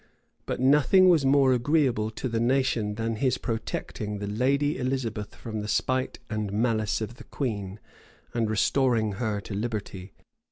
[v*] But nothing was more agreeable to the nation than his protecting the lady Elizabeth from the spite and malice of the queen, and restoring her to liberty.